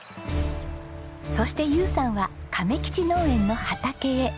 そして友さんは亀吉農園の畑へ。